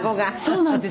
「そうなんです。